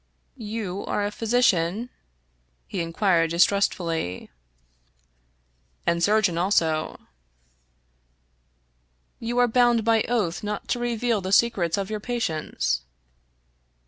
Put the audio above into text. " You are a physician ?" he inquired distrustfully. " And surgeon also." 12 Fitsjames 0*Brien " You are bound by oath not to reveal the secrets of your patients."